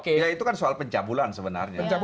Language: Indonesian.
ya itu kan soal pencabulan sebenarnya